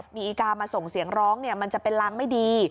มีอีกามาส่งเสียงร้องมันจะเป็นรางไม่ดี